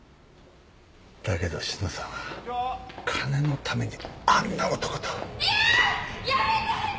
だけど志乃さんは金のためにあんな男と。